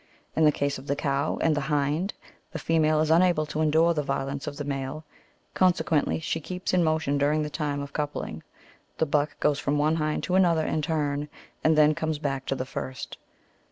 In the case of the cow and the hind, the female is unable to endure the violence of the male, con sequently she keeps in motion during the time of coupling. The buck goes from one hind to another in turn, and then comes back to the first.